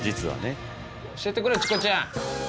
教えてくれチコちゃん！